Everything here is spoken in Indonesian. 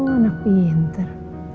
oh anak pinter